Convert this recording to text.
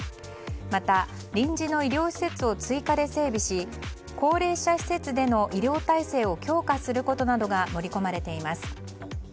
また、臨時の医療施設を追加で整備し高齢者施設での医療体制を強化することなどが盛り込まれています。